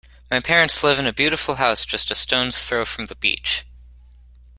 My parents live in a beautiful house just a stone's throw from the beach.